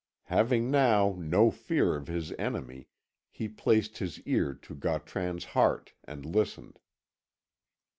Having now no fear of his enemy, he placed his ear to Gautran's heart and listened.